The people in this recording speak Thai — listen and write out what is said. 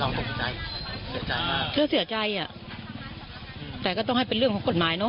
ตกใจเสียใจมากก็เสียใจอ่ะแต่ก็ต้องให้เป็นเรื่องของกฎหมายเนอ